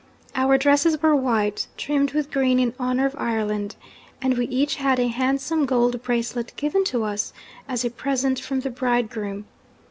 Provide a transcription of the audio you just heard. Our dresses were white, trimmed with green in honour of Ireland; and we each had a handsome gold bracelet given to us as a present from the bridegroom.